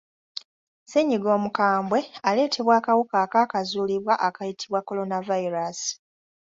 Ssennyiga omukambwe aleetebwa akawuka akaakazuulibwa akayitibwa kolona virus.